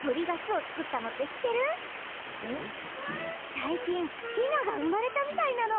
最近ヒナが生まれたみたいなの。